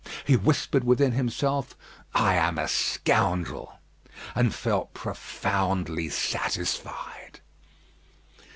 He whispered within himself, "I am a scoundrel," and felt profoundly satisfied.